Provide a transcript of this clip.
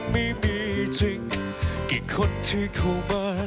ไม่มีถึงกี่คนที่เข้ามา